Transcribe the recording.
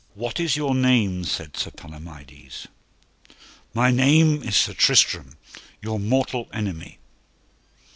What is your name? said Sir Palomides. My name is Sir Tristram, your mortal enemy.